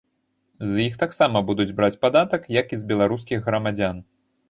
З іх таксама будуць браць падатак, як і з беларускіх грамадзян.